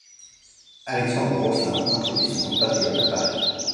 Alexandre Roslin introduit son compatriote à Paris.